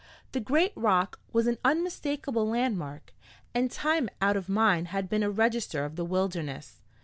The great rock was an unmistakable landmark, and time out of mind had been a register of the wilderness.